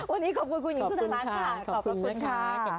วันนี้ขอบคุณคุณอย่างสุดท้ายมากค่ะขอบคุณค่ะ